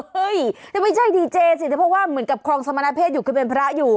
จะไม่ใช่ดีเจสิเพราะว่าเหมือนกับครองสมณเพศอยู่คือเป็นพระอยู่